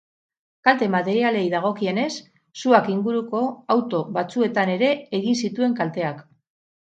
Kalte materialei dagokienez, suak inguruko auto batzuetan ere egin zituen kalteak.